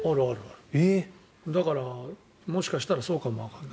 だから、もしかしたらそうかもわからない。